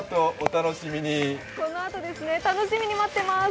楽しみに待ってます。